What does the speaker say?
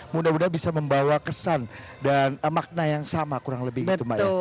mudah mudahan bisa membawa kesan dan makna yang sama kurang lebih itu mbak ya